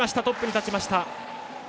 トップに立ちました。